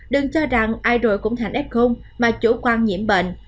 đừng cho rằng i rồi cũng thành f mà chủ quan nhiễm bệnh